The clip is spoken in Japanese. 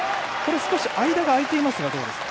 少し間が空いていますがどうですか。